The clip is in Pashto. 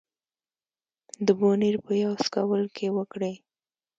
د بونېر پۀ يو سکول کښې وکړې